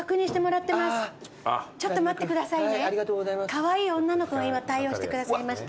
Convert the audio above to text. カワイイ女の子が今対応してくださいました。